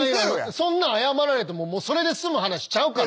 そんなん謝られてもそれで済む話ちゃうから。